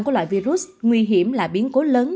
của loại virus nguy hiểm là biến cố lớn